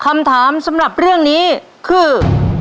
คำถามสำหรับเรื่องนี้คือ